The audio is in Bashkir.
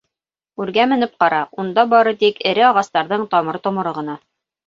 Үргә менеп ҡара, унда бары тик эре ағастарҙың тамыр-томоро ғына.